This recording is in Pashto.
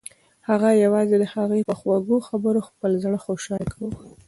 هغه یوازې د هغې په خوږو خبرو خپل زړه خوشحاله کاوه.